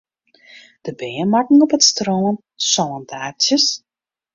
De bern makken op it strân sântaartsjes.